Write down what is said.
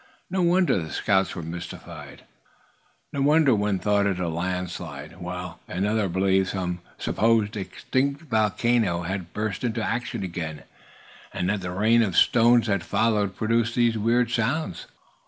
No wonder the scouts were mystified. No wonder one thought it a land slide, while another believed some supposed extinct volcano had burst into action again, and that the rain of stones that followed, produced these weird sounds.